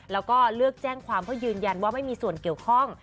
แล้วก็เลือกแจ้งความเพื่อยืนยันว่าไม่มีส่วนเกี่ยวข้อง